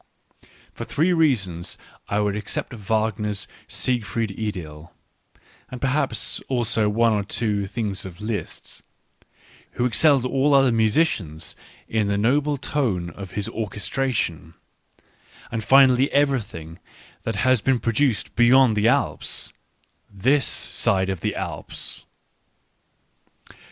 For three reasons I would except Wag ner's Siegfried Idyll, and perhaps also one or two things of Liszt, who excelled all other musicians in the noble tone of his orchestration ; and finally everything that has been produced beyond the Alps — this side of the Alps.